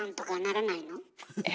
え？